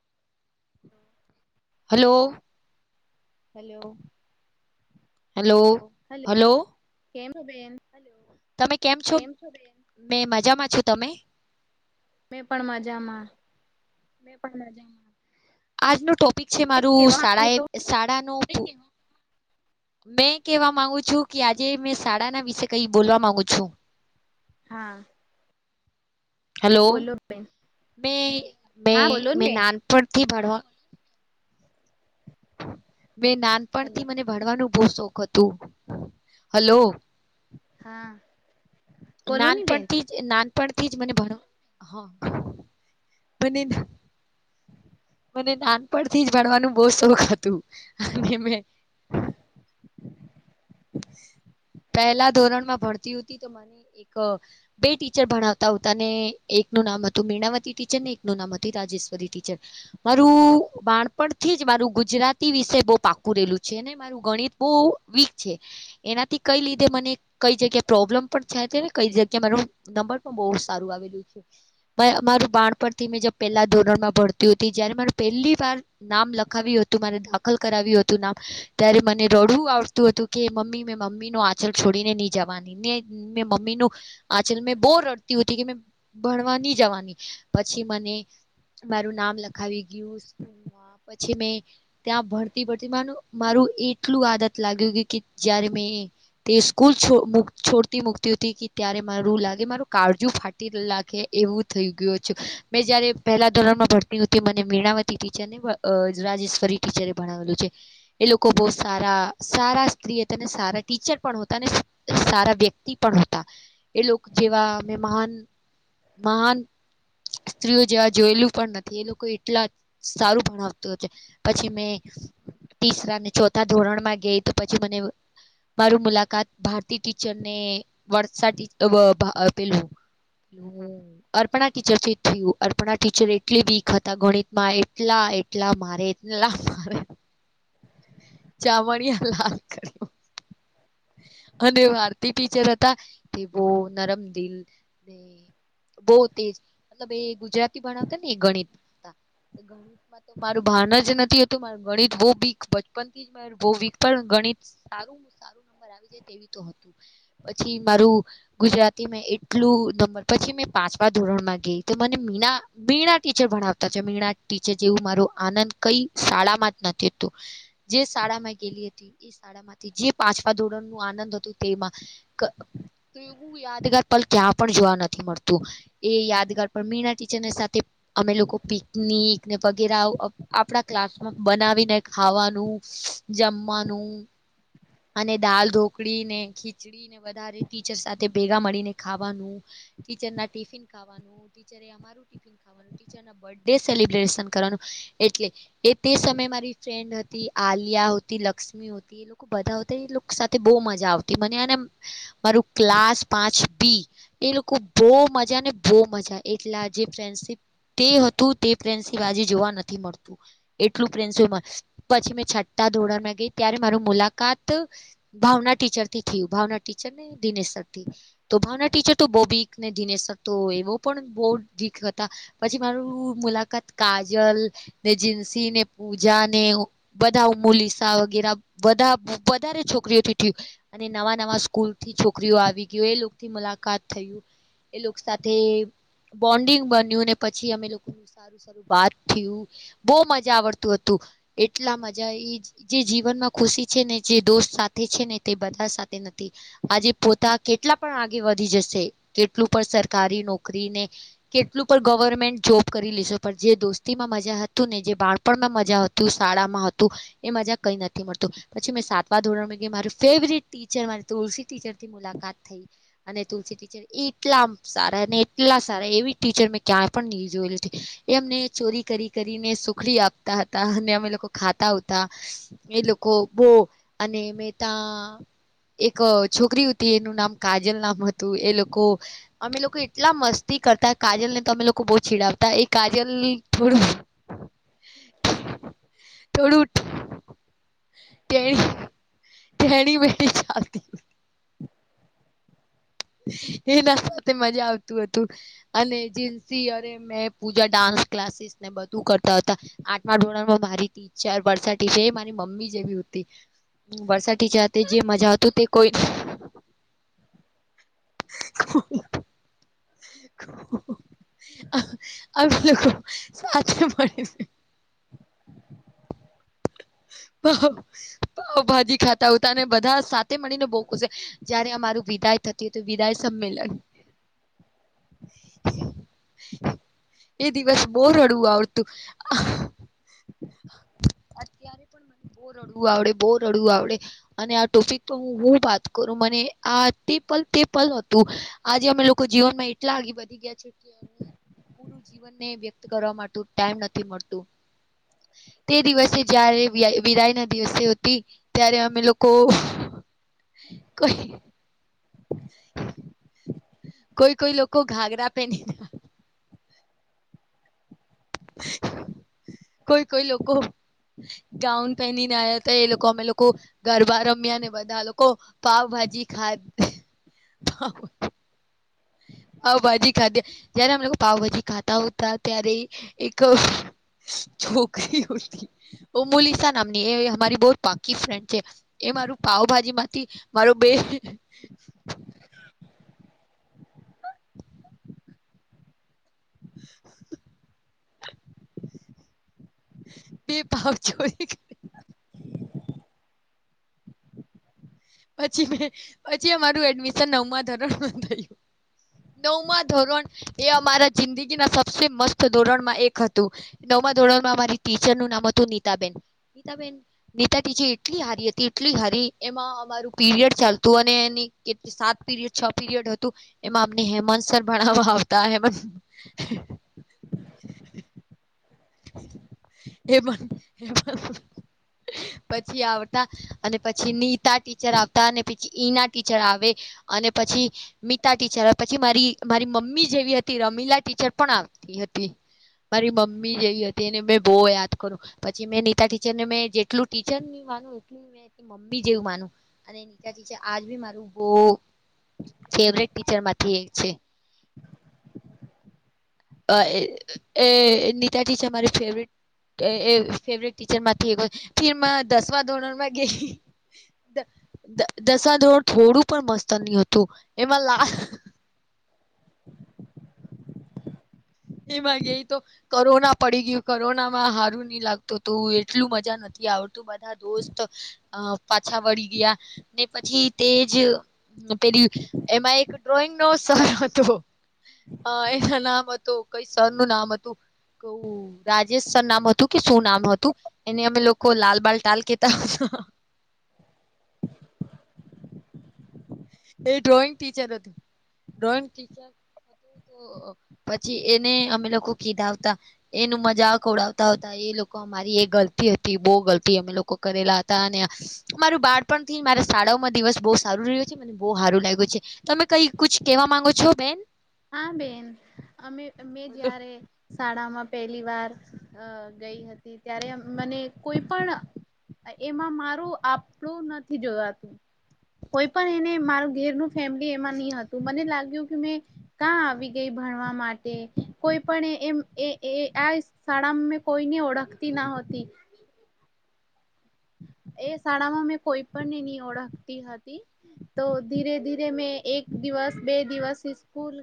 [inaudible] Hello. Hello. Hello hello. કેમ બેેન? તમે કેમ છો? મેં મજામાં છું. તમે? મેં પણ મજામાં. મેં પણ મજામાં. આજનું ટોપિક છે મારું કેવા માંગુ શાળાએ છો શાળાનો [unintelligible] મેં કહેવા માંગુ છું કે આજે મેં શાળાના વિશે કંઈ બોલવા માંગુ છું. હા. હલો બોલો બેન. મેં મે હા બોલો ને મેં બેન નાનપણથી ભણવા મેં હેલો નાનપણથી મને ભણવાનું બહુ શોખ હતું. હલો. હા. બોલો ની બેન નાનપણથી જ નાન પણથી જ મને ભણવા ભણીને [unintelligible] મને નાનપણથી જ ભણવાનું બહુ શોખ હતું અને મેં [inaudible] પહેલા ધોરણમાં ભણતી હતી તો મને એક-બે ટીચર ભણાવતા હતા અને એક નું નામ હતું મીણાવતી ટીચર અને એકનું નામ હતું રાજેશ્વરી ટીચર મારું બાણપણથી જ મારું ગુજરાતી વિષય બહુ પાકું રહેલું છે ને મારું ગણિત બહુ વીક છે. એનાથી કઈ લીધે મને કઈ જગ્યા પ્રોબ્લેમ પણ છેને કઈ જગ્યામા નંબર પણ બહુ સારું આવેલું છે. મેં મારું બાળપણથી મેં પહેલા ધોરણમાં ભણતી હતી. જયારે મારે પહેલી વાર નામ લખાવ્યું હતું. મારે દાખલ કરાવ્યું હતું નામ ત્યારે મને રડવું આવતું હતું. કે મમ્મી મેં મમ્મીનો આંચલ છોડીને નહી જવાની મેં મમ્મીનો આંચલ મેં બહૂ રડતી. હતી કે મે ભણવાની જવાની પછી મને મારું નામ લખાવી ગયું સ્કૂલમાં પછી મે ત્યાં ભણતી ભણતી મા મારું એટલું આદત લાગ્યું કે જયારે મેં તે સ્કૂલ છોડતી મુકતી હતી ત્યારે મારું લાગે મારું કાળજુ ફાટી નાખે એવું થઈ ગયું છુ. મેં જયારે પહેલા ધોરણમાં ભરતી મને મીણાવતી ટીચરને રાજેેશ્વરી ટીચરે ભણાવેલું છે. એ લોકો બહુ સારાં સારાં સારાં ટીચર પણ હતા. સારાં વ્યક્તિ પણ હતા એ લોકો જેવા અ મહાન મહાન સ્ત્રીઓ જેવા જોયેલું પણ નથી. એ લોકો એટલા સારું ભણાવતા છે. પછી મેં તીસરા ને ચોથા ધોરણમાં ગઈ તો પછી મને મારૂ મુલાકાત ભારતીટીચરને વર્ષાટીચર પેલું અર્પણા ટીચરથી થયું. અર્પણા ટીચર એટલી વીક હતા ગણિતમાં એટલા એટલાં મારે એટલાં મારે ચામડીઓ લાલ કર્યું. અને ભારતી ટીચર હતા. એ બહુ નરમદિલને બહુ તેજ મતલબ એ ગુજરાતી ભણાવતા ને ગણિત ગણિતમાં તો મારું ભાન જ નથીતું મા ગણિત બહુ વીક બચપન થી જ મારૂ બહુ વીક પણ સારું સારું. આવી તે તો હતું પછી મારું ગુજરાતીમાં એટલું નંબર પછી મે પાંચમા ધોરણમાં ગઈ તો મને મીણા મીણા ટીચર ભણાવતા છે મીણા ટીચર જેવું મારો આનંદ કઈ શાળામાં જ નથીતું જે શાળામાં ગેલી હતી એ શાળામાં માથી જે પાંચ ધોરણ નું આનંદ હતું તેમાં તો એવું યાદગાર પલ ક્યાં પણ જોવા નથી મળતું એ યાદગાર મમ્મીના ટીચરની સાથે અમે લોકો પિકનિક વગેરે આપણા ક્લાસમાં બનાવીને ખાવાનું જમવાનું અને દાલ ઢોકળી ને ખીચડીને વધારે ટીચર સાથે ભેગા મળીને ખાવાનું ટીચરના ટિફિન ખાવાનું ટીચરે અમારું ટિફિન ખાવાનું ટીચરના બર્થડે સેલિબ્રેશન કરવાનું એટલે એ તે સમયે મારી ફ્રેન્ડ હતી આલિયા હતી લક્ષ્મી હતી એ લોકો બધા સાથે બહુ મજા આવતી મને અને મારું ક્લાસ પાંચ બી એ લોકો બહુ મજા ને બહુ મજા એટલા જે ફ્રેન્ડશીપ તે હતું તે ફ્રેન્ડશીપ આજે જોવા નથી મળતું એટલું ફ્રેન્ડશીમાં પછી મે છટા ધોરણમાં ગઈ ત્યારે મારુ મુલાકાત ભાવના ટીચર થી થયું ભાવના ટીચરને દિનેશ સર થી તો ભાવના ટીચર તો દિનેશ તો એવો પણ બહુ [unintelligible] હતા પછી મારું મુલાકાત કાજલ જીસીને પૂજા ને બધા ઉમલીસા વગેરે બધા વધારે છોકરીઓ થી થયું અને નવા નવા સ્કૂલ થી છોકરીઓ આવી ગયો એ લોકોથી મુલાકાત થઈ એ લોકો સાથે બોન્ડિંગ બન્યું ને પછી અમે લોકોનું સારું સારું વાત થયું બહુ મજા આવડતું હતું. એટલા મજા આઈ જે જીવન માં ખુશી છેને જે દોસ્ત સાથે છે ને તે બધા સાથે નથી આજે પોતા કેટલા પણ આગે વધી જ સે કેટલું પર સરકારી નોકરીને કેટલું પર ગવર્મેન્ટ જોબ કરી લેશે જે દોસ્તીમાં મજા હતું ને જે બાળપણમાં મજા હતું શાળામાં હતું એ મજા કઈ નથી મળતું પછી મેં સાતમા ધોરણ મારી ફેવરટ ટીચર મારી તુલસી ટીચરથી મુલાકાત થઈ અને તુલસી એટલા સારા અને એટલા સારા એવી ટીચર મેં ક્યા પણ નહી જોયેલી એમને ચોરી કરી કરીને સુખડી આપતા હતા અને અમે લોકો ખાતા ઉતા એ લોકો બો અને મે તા એક છોકરી ઉતી એનું નામ કાજલ નામ હતું એ લોકો અમે લોકો એટલા મસ્તી કરતા કાજલ ને તમે લોકો બો ચીડાવતા એ કાજલ થોડું થોડુ તે તેણી મેતે ચાલતી એના સાથે મજા આવતું હતું અને જીન્સી અરે મેં પૂજા ડાન્સ ક્લાસીસ ને બધું કરતા હતા આઠમા ધોરણમાં મારી ટીચર વરસા ટીચર છે મારી મમ્મી જેવી હતી વરસા ટીચર હતી જે મજા હતુ તે કોઈ [inaudible] આ આવી લોકો સાચા મળે છે [unintelligible] પાવ ભાજી ખાતા હો હતા અને બધા સાથે મળીને બોજ ખુંસ જયારે અમારું વિદાય થતી હતું વિદાય સમીલન એ દિવસ બો રડું આવડતું અત્યારે પણ મને બો રડવું આવડે બો રડવું આવડે અને આ ટોપિક તો હું હું વાત કરું મને આ તે પલ પલ હતું આજે અમે લોકો જીવનમાં એટલા આગી વધી ગયા છે કે પૂરું જીવનને વ્યક્ત કરવા માટે ટાઈમ નથી મળતું તે દિવસે જયારે વિયા વિદાયના દિવસે હતી ત્યારે અમે લોકો કોઈ [inaudible] કોઈ કોઈ લોકો ઘાગરા પેરીને કોઈ કોઈ લોકો ગાઉન પહેરીને આવ્યા હતા એ લોકો અમે લોકો ગરબા રમ્યા ને બધા લોકો પાવભાજી ખાધી પાાવભાજી ખાધ્ય જયારે અમે લોકો પાાવભાજી ખાતા ઉતા ત્યારે એક છોકરી ઉતી ઑમોલીસા નામની એ હમારી બો પાકી ફ્રેન્ડ છે એ મારું પાાવભાજી માંથી મારો બે [inaudible] [inaudible] બે ભાવ [unintelligible] પછી મેં પછી અમારું એડમિશન નવમાં ધોરણમા થયું નવમાં ધોરણ એ અમારા જિંદગીના સબસે મસ્ત ધોરણમાં એક હતું નવ મા ધોરણમાં અમારી ટીચરનું નામ હતું નીતા બેન નીતાબેન નીતા ટીજી એટલી હારી હતી એટલી હારી એમાં મારું પીરિયડ ચાલતું અને એની સાત પીરિયડ છ પીરિડ હતું એમાં અમને હેમાન્સ સર [inaudible] એ પણ એ પણ પછી આવતા અને પછી નીતા ટીચર આવતા અને પછી ઈના ટીચર આવે અને પછી મિતા ટીચર પછી મારી મારી મમ્મી જેવી હતી રમીલા ટીચર પણ આવતી તી મારી મમ્મ જેવી હતી એને મેં બહુ યાદ કરું પછી મેં નીતા ટીચર ને મેં જેટલું ટીચર [unintelligible] મમ્મી જેવું માનું અને નીતાજી છે આજ બી મારું બહ ફેવટ ટીચર માંથી એક છે. અ એ નીતાજી છે મારી ફેવરિટ અ એ ફેવરેટ ટીચર માંથી એકચ ફિર મા દસમા ધોરણ મા કે દ દ દશાધોરણ થોડું પણ મસ્ત ન હતું એમાં લા [inaudible] એમાં ગય તો કરોના પડી ગયું કરોના માં હારું નઈ લાગતું તો એટલું મજા નથી. યા આવતું બધા દોસ્ત અ પાછા વળી ગયા ને પછી તેજ પેલી એમાં એક ડ્રોઈંગ નો સર હતો હ એના નામ હત કઈ સરનું નામ હતું. રાજેશ સર નામ હતું કે શું નામ હતું એને અમે લોકો લાલબાલ ટાલ કેતા. હા [inaudible] હ [inaudible] એ ડ્રોઈંગ ટીચર હતું ડ્રોઈંગ ટીચર અ પછી એને અમે લોકો કીધતા એનું મજાક ઉડાવતા હતા એ એ લોકો અ મારી એ ગલતી હતી બહુ ગલતી અમે લોકો કરેલા હતા અને અમારું બાળપણ થી મારે સા શાળાઓ માં દિવસ બહુ સારું રહ્યો છે મને બહુ હારું લાગ્યું છે. તમે કઈ કુછ કેવા માંગો છો બેન? હા બેન અમે મેમે બોલો જ્યારે શાળામાં પહેલી વાર અ ગઈ હતી ત્યારે મને કોઈ પણ એમાં મારું આપણું નથી જોવાતું કોઈ પણ એને મારું ઘેરનું ફેમલી એમાં નેહતું હતું મને લાગ્યું કે મેં કાં આવી ગઈ ભણવા માટે કોઈ પણ એ એમ આ શાળામાં કોઈ ઓળખતી ના હોતી. હ [inaudible] એ શાળામાં મેં કોઈ પણ નહી ઓળખતી હતી તો ધીરે ધીરે મે એક દિવસ બે દિવસથી સ્કૂલ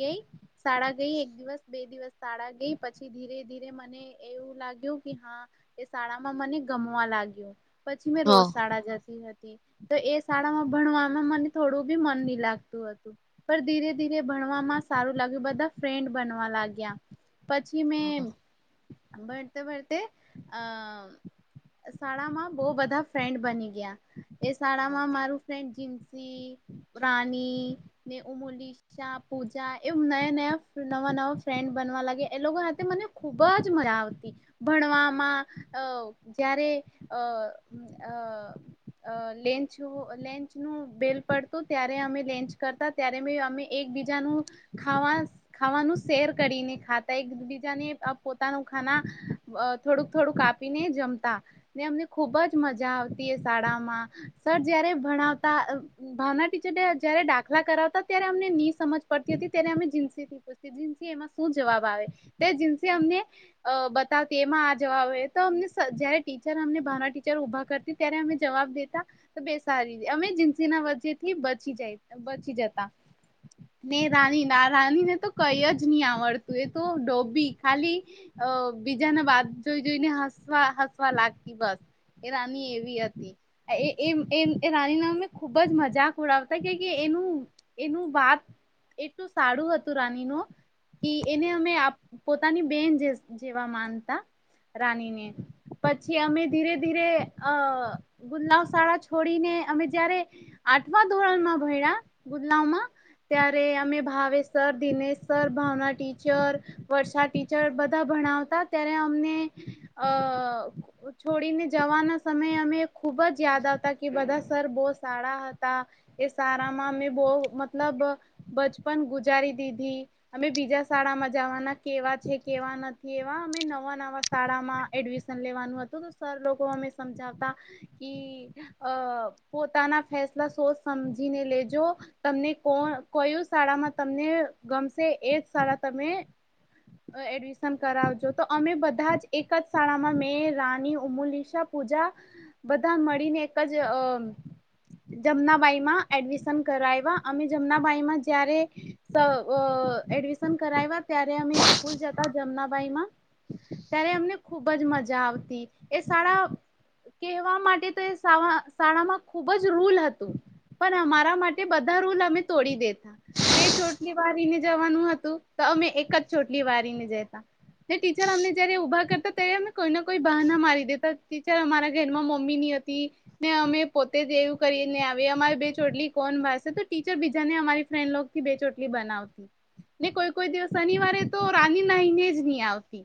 ગઈ શાળા ગઈ એક દિવસ બે દિવસ સાળા ગઈ. પછી ધીરે ધીરે મને એવું લાગ્યું કે હા એ શાળામાં મને ગમવા લાગ્યું. પછી મે રોજ હા સાળા જતી. તો એ શાળામાં ભણવામાં મને થોડું બી મન ની લાગતું હતું પણ ધીરે ધીરે તે ભણવામાં સારું લાગ્યું બધા ફ્રેન્ડ બનવા લાગ્યા. પછી મે હા ભળતે ભળતે અ શાળામાં બો બધા ફ્રેન્ડ બની ગયા એ હા શાળામાં મારું ફ્રેન્ જ રાની ને ઉમલીશા પૂજા એવુ નયા નયા નવા નવા ફ્રેન્ડ બ નવા લાગી એ લોકો મને ખુબ જ મજા આવતી ભણવામાં અ જ્યારે અ અ લેનચું લેચ નું બેલ પડતું ત્યારે અમે લેચ કરતા ત્યારે મે અમે એકબીજા હૂ ખાવા ખાવાનું શેર કરીને ખાતા એકબીજાને આમ પોતાનું ખાના અ થોડુંક થોડુંક આપીને જમતા. ને એમને ખુબ જ મજા આવતી એ શાળામાં, સર જયારે ભણાવતા ભાવના ટીચર તે જયારે દાખલા કરાવતા ત્યારે અમને ત્યારે ની સમજ પડતી હતી ત્યારે અમે જીન્સી જીન્સી એમા શું જવા [unintelligible] તે દિવસે અમેને અ બતાવતી એમાં જવેતો હમને સજયતિ. જ્યારે અમને ભાવના ટીચર ઉભા કરતી ત્યારે અમે જવાબ દેતા બે સારી અમે જીન્સી ના વચેથી બચી જાય છે બચી જતા. ને રાની ના રાનીને તો કઈ જ નહી આવડતું એ તો ડોબી ખાલી અ બીજાને બાદ જોઈ જોઈને હસવા હસવા લાગતી બસ. એ રાની એવી હતી એ એ એ રાની ના અને ખુબ જ મજાક ઉડાવતા એનું [unintelligible] વાત એટલું [unintelligible] હતું રાની નુ એ એને અમે પોતાની બેન જેવા માનતા રાનીને. પછી અમે ધીરે ધીરે અ ગુદલાવ શાળા છોડીને અમે જયારે [unintelligible] ધોરણમાં [unintelligible] ગુદલાવમાં. ત્યારે અમે Bhavesh sir Dinesh sir Bhavna teacher Varsha teacher બધા ભણાવતા ત્યારે અમને અ છોડીને જવાના સમયે અમે ખુબ જ યાદ આવતા કે બધા સર બો સળા હતા એ સારામાં મેં બોહ મતલબ બચપન ગુજારી [unintelligible] અમે બીજા શાળામાં જવાના કેવા છે, કેવા નથી એવા અમે નવા નવા શાળા [inaudible] લેવા હતું સર લોકો અમે સમજાવતા કી પોતાના ફસ [unintelligible] સમજીને લેજો તમને [unintelligible] કયું શાળામાં તમને ગમશે એ એશાળા તમે એડમિશન કરાવજો તો અમે બધા જ એક જ શાળામાં મે એ રાની ઉમલીશા પૂજા બધા મળીને એક જ જમનાબાઈમાં એડમિશન કરાવ્યા અમે જમનાબાઈ માં જયારે ત વ એડમિશન કરાવ્યા ત્યારે અમે સ્કૂલ જતા જમનાભાઈ માં ત્યારે અમને ખુબ જ મજા આવતી એ [unintelligible] કેહવા માટે તો એ [unintelligible] શાળામાં ખુબ જ રૂલ હતું. પણ અમારા માટે બધા રૂલ અમે તોડી દેત બે ચોટલી વારીને જવાનું હતું તો અમે એક જ ચોટલી વારીને જતા. એ ટીચર અમને જયારે ઊભા કરતા તે [unintelligible] કોઈને કોઈ બહ ના મારી દેતા ટીચર અમારા ઘરમાં મમ્મી ની હતી ને અમે પોતે એવું કરી કે લે અવે અમારી બે ચોટલી કોણ બાનસે તો ટીચર બીજાને અમારી ફ્રેન્ડલોક થી બે ચોટલી બનાવતી. ને કોઈ કોઈ દિવસ શનિવારે તો રાની નહીને જ નહી આવતી.